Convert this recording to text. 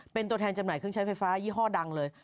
เป็นตัวแทนจำหน่ายเครื่องใช้ไฟฟ้ายี่ห้อดังเลย